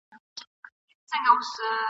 دا کږې وږي بګړۍ به ..